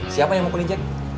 siapa yang mukulin cek